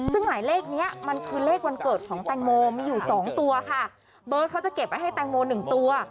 ซึ่งหมายเลขเนี้ยมันคือเลขวันเกิดของแตงโมมีอยู่สองตัวค่ะเบิร์ตเขาจะเก็บไว้ให้แตงโมหนึ่งตัว